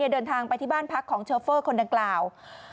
เดินทางไปที่บ้านพักของโชเฟอร์คนดังกล่าว